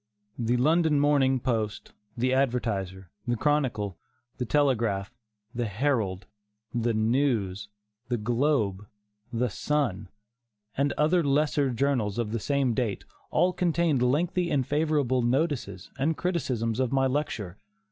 The London Morning Post, the Advertiser, the Chronicle, the Telegraph, the Herald, the News, the Globe, the Sun, and other lesser journals of the same date, all contained lengthy and favorable notices and criticisms of my lecture.